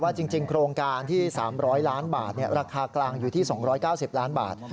จริงโครงการที่๓๐๐ล้านบาทราคากลางอยู่ที่๒๙๐ล้านบาท